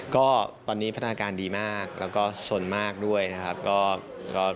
ก็ตอนนี้พัฒนาการดีมากแล้วก็ส่วนมากด้วยนะครับ